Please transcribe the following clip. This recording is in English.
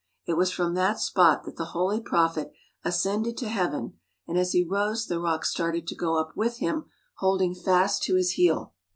It was from that spot that the holy Prophet ascended to heaven, and as he rose the rock started to go up with him holding fast to his heel.